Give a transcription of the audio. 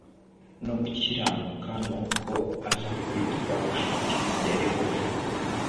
no gukiranuka nuko aza kwitwa incuti ya Yehova